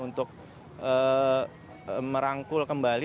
untuk merangkul kembali